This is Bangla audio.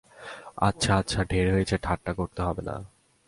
আচ্ছা আচ্ছা, ঢের হয়েছে, ঠাট্টা করতে হবে না!